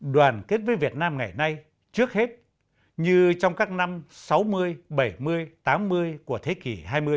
đoàn kết với việt nam ngày nay trước hết như trong các năm sáu mươi bảy mươi tám mươi của thế kỷ hai mươi